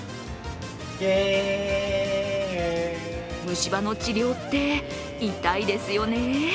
虫歯の治療って、痛いですよね。